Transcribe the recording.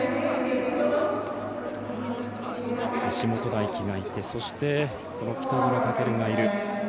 橋本大輝がいてそして、この北園丈琉がいる。